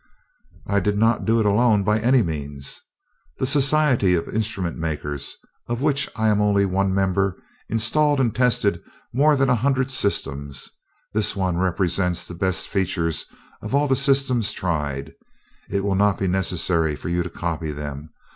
"I did not do it alone, by any means. The Society of Instrument Makers, of which I am only one member, installed and tested more than a hundred systems. This one represents the best features of all the systems tried. It will not be necessary for you to copy them.